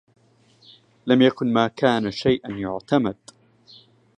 لم يكن ما كان شيئا يعتمد